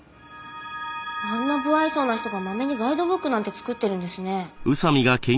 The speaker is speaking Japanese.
あんな無愛想な人がまめにガイドブックなんて作ってるんですね。